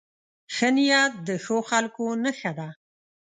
ښه نیت د ښو خلکو نښه ده.